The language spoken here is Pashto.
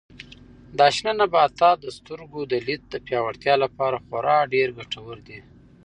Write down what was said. دا شنه نباتات د سترګو د لید د پیاوړتیا لپاره خورا ډېر ګټور دي.